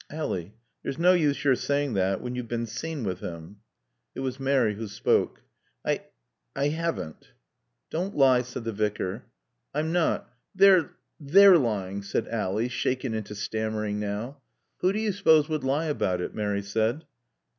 "Ally there's no use your saying that when you've been seen with him." It was Mary who spoke. "I ha haven't." "Don't lie," said the Vicar. "I'm not. They're l l lying," said Ally, shaken into stammering now. "Who do you suppose would lie about it?" Mary said.